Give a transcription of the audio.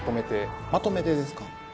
まとめてですか？